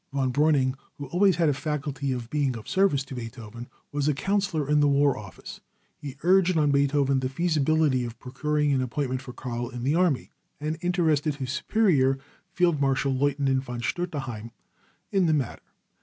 Von Breuning, who always had a faculty of being of service to Beethoven, was a counsellor in the war office. He urged on Beethoven the feasibility of procuring an appointment for Karl in the army, and interested his superior, Field marshal Lieutenant von Stutterheim, in the matter.